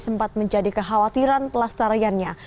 sempat menjadi kekhawatiran pelestariannya